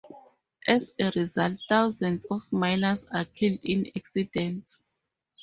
As a result, thousands of miners are killed in accidents.